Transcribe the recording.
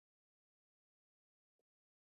د ونو ایښودل د چاپیریال ساتنې سره مرسته کوي.